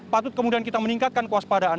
patut kemudian kita meningkatkan kewaspadaan